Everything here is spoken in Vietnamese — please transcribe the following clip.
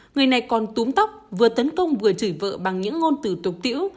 người này còn túm tóc vừa tấn công vừa chửi vợ bằng những ngôn từ tục tiễu